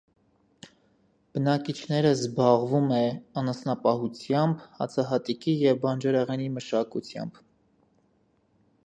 Բնակիչները զբաղվում է անասնապահությամբ, հացահատիկի և բանջարեղենի մշակությամբ։